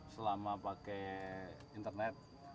selama pakai internet